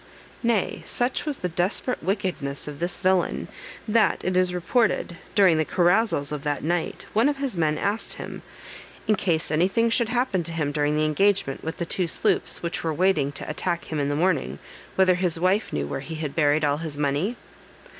Nay, such was the desperate wickedness of this villain, that, it is reported, during the carousals of that night, one of his men asked him, "In case any thing should happen to him during the engagement with the two sloops which were waiting to attack him in the morning, whether his wife knew where he had buried his money?"